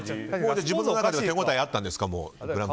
自分の中では手応えあったんですか？